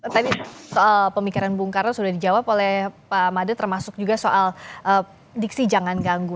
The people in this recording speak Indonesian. tadi soal pemikiran bung karno sudah dijawab oleh pak made termasuk juga soal diksi jangan ganggu